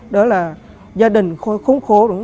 đó là gia đình không khổ